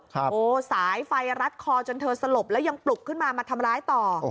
โอ้โหสายไฟรัดคอจนเธอสลบแล้วยังปลุกขึ้นมามาทำร้ายต่อ